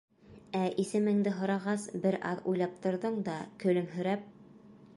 Ә исемеңде һорағас, бер аҙ уйлап торҙоң да, көлөмһөрәп: